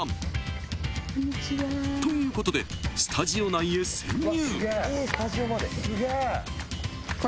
［ということでスタジオ内へ潜入］